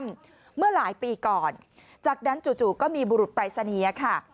เมื่อหลายปีก่อนจากนั้นจู่ก็มีบุรุษปรายศนียค่ะ